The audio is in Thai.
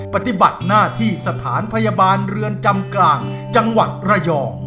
ปฏิบัติหน้าที่สถานพยาบาลเรือนจำกลางจังหวัดระยอง